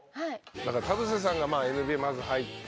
田臥さんがＮＢＡまず入って。